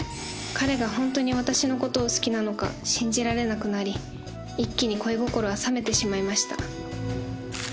彼が本当に私の事を好きなのか信じられなくなり一気に恋心は冷めてしまいました